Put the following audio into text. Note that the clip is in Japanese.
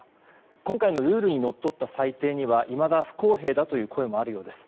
今回のルールにのっとった採点にはいまだ、不公平だという声もあるようです。